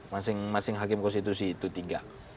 masing masing hakim konstitusi itu tiga